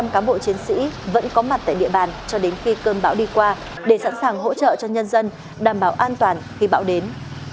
một trăm linh cán bộ chiến sĩ vẫn có mặt tại địa bàn cho đến khi cơn bão đi qua để sẵn sàng hỗ trợ cho nhân dân đảm bảo an toàn khi bão đến